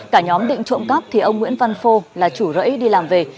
cả nhóm định trộm cắp thì ông nguyễn văn phô là chủ rẫy đi làm về